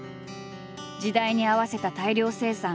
時代に合わせた大量生産。